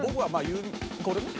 これね。